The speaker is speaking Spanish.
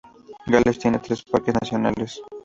Gales tiene tres parques nacionales.